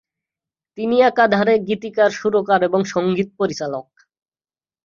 তিনি একাধারে গীতিকার, সুরকার এবং সঙ্গীত পরিচালক।